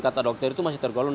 kata dokter itu masih tergolong